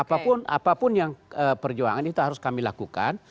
apapun apapun yang perjuangan itu harus kami lakukan